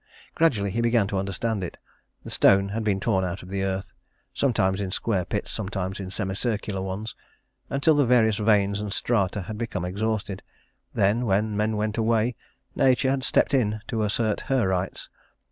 Gradually he began to understand it. The stone had been torn out of the earth, sometimes in square pits, sometimes in semi circular ones, until the various veins and strata had become exhausted. Then, when men went away, Nature had stepped in to assert her rights.